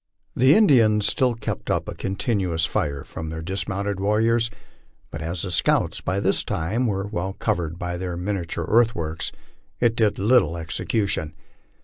The Indians still kept up a continuous fire from their dismounted warriors ; but as the scouts by this time were well covered by their miniature earth works, it did little execution.